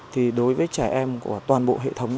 thì đối với trẻ em của toàn bộ hệ thống